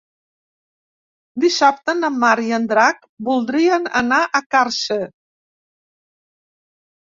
Dissabte na Mar i en Drac voldrien anar a Càrcer.